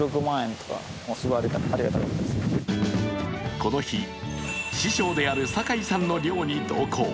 この日、師匠である坂井さんの漁に同行。